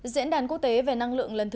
diễn đàn quốc tế về năng lượng quốc tế